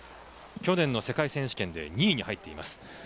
去年の世界選手権で２位に入っています。